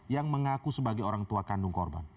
yang mengaku sebagai orang tua kandung korban